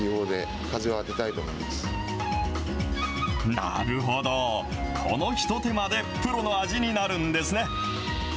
なるほど、この一手間でプロの味になるんですね。